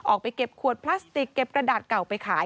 ออกไปเก็บขวดพลาสติกเก็บกระดาษเก่าไปขาย